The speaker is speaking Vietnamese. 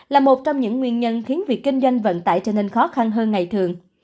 là một trong những nguyên nhân khiến việc kinh doanh vận tải trở nên khó khăn hơn ngày thường